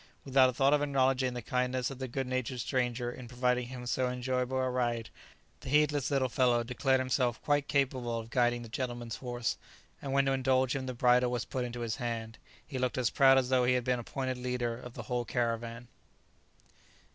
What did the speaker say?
Without a thought of acknowledging the kindness of the good natured stranger in providing him so enjoyable a ride, the heedless little fellow declared himself quite capable of guiding the "gentleman's horse," and when to indulge him the bridle was put into his hand, he looked as proud as though he had been appointed leader of the whole caravan.